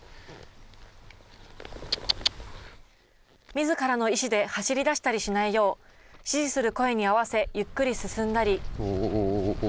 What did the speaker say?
みずからの意志で走りだしたりしないよう、指示する声に合わせゆっくり進んだり。